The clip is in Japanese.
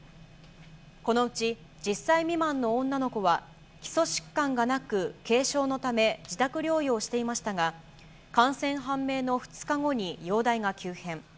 このうち、１０歳未満の女の子は、基礎疾患がなく軽症のため、自宅療養していましたが、感染判明の２日後に容体が急変。